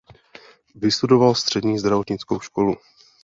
Vystudovala střední zdravotnickou školu.